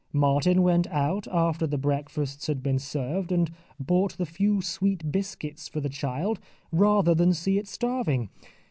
Martin went out after the breakfasts had been served and bought the few sweet biscuits for the child rather than see it starving.